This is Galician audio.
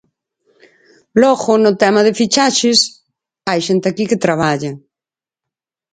Logo, no tema de fichaxes, hai xente aquí que traballa.